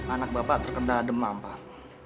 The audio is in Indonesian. anak bapak terkena demam pak